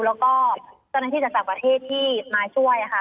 แล้วก็เจ้าหน้าที่จากต่างประเทศที่มาช่วยค่ะ